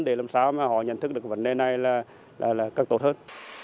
để làm sao mà họ nhận thức được vấn đề này là càng tốt hơn